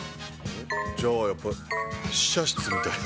じゃあ、やっぱり、試写室みたいな。